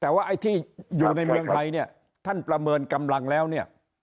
แต่ว่าไอ้ที่อยู่ในเมืองไทยเนี่ยท่านประเมินกำลังแล้วเนี่ย